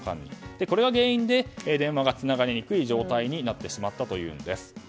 これが原因で電話がつながりにくい状態になってしまったというんです。